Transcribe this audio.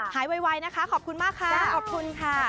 ห่ายไวค่ะขอขอบคุณค่ะ